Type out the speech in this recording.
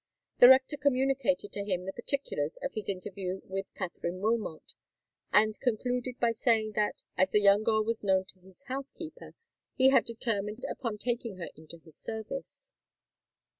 The rector communicated to him the particulars of his interview with Katherine Wilmot, and concluded by saying that, as the girl was known to his housekeeper, he had determined upon taking her into his service.